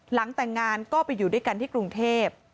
หลังแต่งงานก็ไปอยู่ด้วยกันที่กรุงเทพ